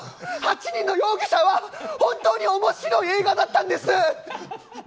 「８人の容疑者」は本当に面白い映画だったんです！